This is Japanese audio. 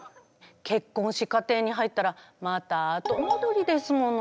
結婚し家庭に入ったらまた後戻りですもの。